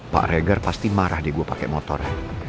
pak regar pasti marah deh gue pakai motor